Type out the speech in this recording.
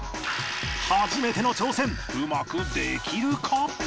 初めての挑戦うまくできるか？